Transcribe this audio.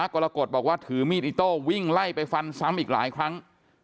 กรกฎบอกว่าถือมีดอิโต้วิ่งไล่ไปฟันซ้ำอีกหลายครั้ง